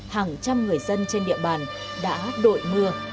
hàng trăm người dân trên địa bàn đã đội mưa